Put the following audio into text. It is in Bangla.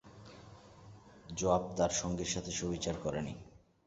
জুওয়াব তার সঙ্গীর সাথে সুবিচার করেনি।